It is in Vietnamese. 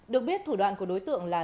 được biết thủ đoạn của đối tượng là